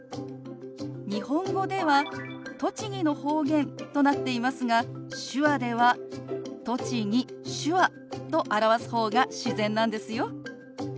日本語では「栃木の方言」となっていますが手話では「栃木」「手話」と表す方が自然なんですよ。